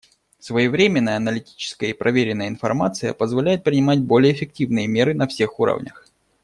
Своевременная, аналитическая и проверенная информация позволяет принимать более эффективные меры на всех уровнях.